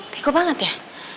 piku banget ya